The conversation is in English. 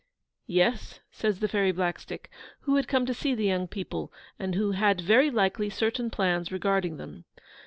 'Yes,' says the Fairy Blackstick, who had come to see the young people, and who had very likely certain plans regarding them.